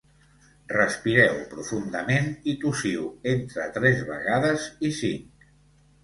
Respireu profundament i tossiu entre tres vegades i cinc.